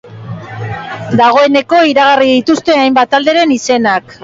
Dagoeneko iragarri dituzte hainbat talderen izenak.